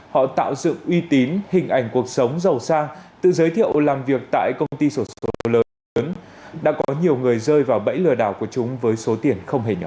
họ tạo dựng uy tín hình ảnh cuộc sống giàu xa tự giới thiệu làm việc tại công ty sổ số lớn đã có nhiều người rơi vào bẫy lừa đảo của chúng với số tiền không hề nhỏ